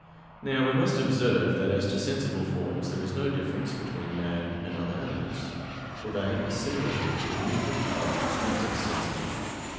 Now, we must observe that as to sensible forms there is no difference between man and other animals; for they are similarly immuted by the extrinsic sensible.